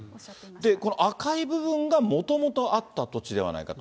この赤い部分がもともとあった土地ではないかと。